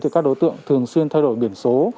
các đối tượng thường xuyên thay đổi biển số